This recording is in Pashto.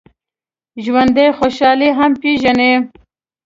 ژوندي خوشحالي هم پېژني